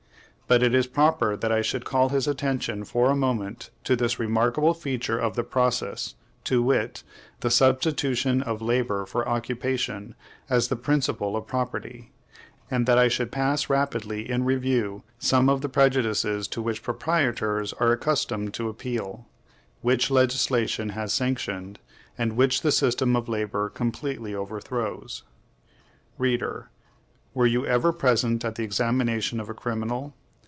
But it is proper that I should call his attention for a moment to this remarkable feature of the process; to wit, the substitution of labor for occupation as the principle of property; and that I should pass rapidly in review some of the prejudices to which proprietors are accustomed to appeal, which legislation has sanctioned, and which the system of labor completely overthrows. Reader, were you ever present at the examination of a criminal?